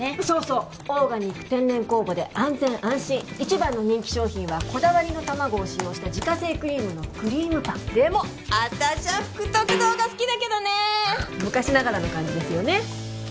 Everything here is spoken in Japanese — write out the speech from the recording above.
そうそうオーガニック天然酵母で安全安心一番の人気商品はこだわりの卵を使用した自家製クリームのクリームパンでもあたしゃ福徳堂が好きだけどね昔ながらの感じですよね